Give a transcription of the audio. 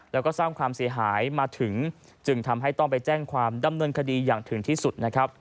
แล้วก็สร้างความเสียหายมาถึงจึงทำให้ต้องไปแจ้งความดำเนินคดีอย่างถึงที่สุดนะครับ